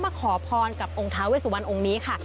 ขอพรกับองค์ท้าเวสุวรรณองค์นี้ค่ะ